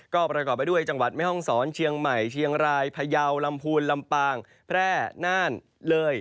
ก็ประกอบไปด้วยจังหวัดแม่ห้องศรเชียงใหม่เชียงรายพยาวลำพูนลำปางแพร่น่านเลย